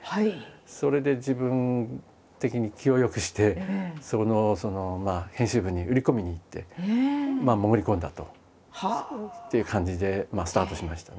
それで自分的に気を良くしてそこの編集部に売り込みに行って潜り込んだという感じでスタートしましたね。